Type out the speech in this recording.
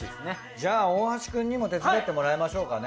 じゃあ大橋くんにも手伝ってもらいましょうかね。